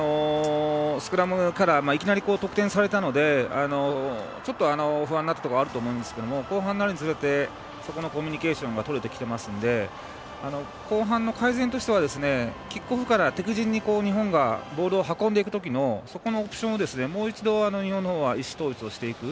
スクラムから、いきなり得点されたので、ちょっと不安なところがあったと思いますが後半になるにつれてそこのコミュニケーションがとれてきていますので後半の改善としてはキックオフから敵陣に日本がボールを運んでいくときのオプションをもう一度、日本のほうは意思統一をしていく。